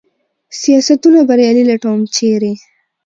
سیاستونه بریالي لټوم ، چېرې ؟